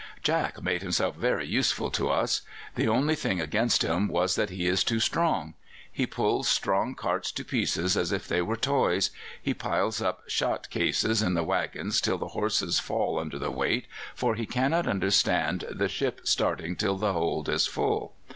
"'Jack' made himself very useful to us. The only thing against him was that he is too strong. He pulls strong carts to pieces as if they were toys; he piles up shot cases in the waggons till the horses fall under the weight, for he cannot understand 'the ship starting till the hold is full.